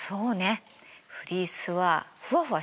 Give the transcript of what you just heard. フリースはふわふわしてるよね。